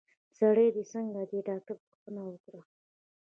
سر دي څنګه دی؟ ډاکټر پوښتنه وکړه.